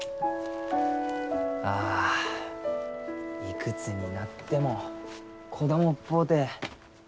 あいくつになっても子供っぽうて。